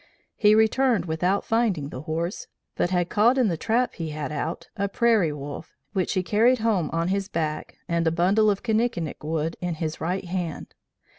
He returned without finding the horse, but had caught in the trap he had out a prairie wolf, which he carried home on his back and a bundle of kinikinic wood in his right hand.'